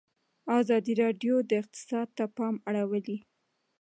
ازادي راډیو د اقتصاد ته پام اړولی.